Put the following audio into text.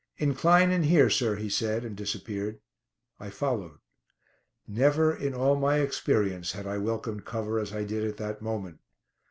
"Incline in here, sir," he said, and disappeared. I followed. Never in all my experience had I welcomed cover as I did at that moment.